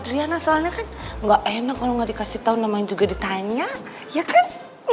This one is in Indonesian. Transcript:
riana soalnya kan nggak enak kalau nggak dikasih tahu namanya juga ditanya ya kan